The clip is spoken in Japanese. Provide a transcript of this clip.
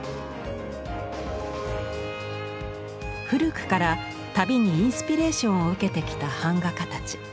古くから「旅」にインスピレーションを受けてきた版画家たち。